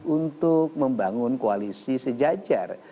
untuk membangun koalisi sejajar